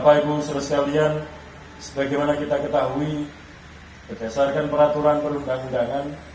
bapak ibu saudara sekalian sebagaimana kita ketahui berdasarkan peraturan perundang undangan